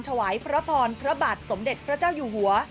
ถวายพระพรพระบาทสมเด็จพระเจ้าอยู่หัว